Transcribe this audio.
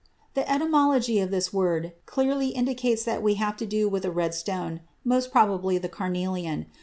] The etymology of this word clearly indicates that we have to do with a red stone, most probably the carnelian.